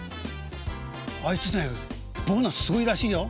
「あいつねボーナスすごいらしいよ」。